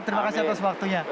terima kasih atas waktunya